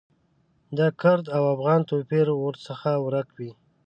د کرد او افغان توپیر ورڅخه ورک وي.